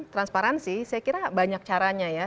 transparansi saya kira banyak caranya ya